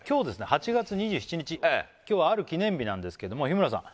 ８月２７日今日はある記念日なんですけども日村さん